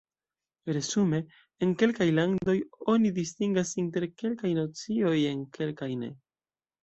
Resume, en kelkaj landoj oni distingas inter kelkaj nocioj, en kelkaj ne.